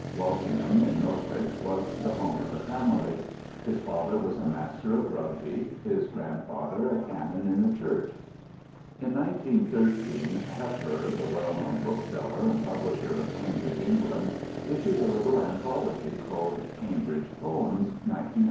Walsingham, in Norfolk, was the home of the family. His father was a master at Rugby; his grandfather a canon in the church. In 1913 Heffer, the well known bookseller and publisher of Cambridge, England, issued a little anthology called Cambridge Poems 1900 1913.